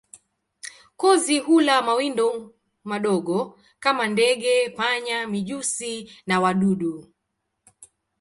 Kozi hula mawindo madogo kama ndege, panya, mijusi na wadudu.